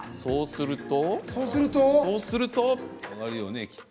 そうすると。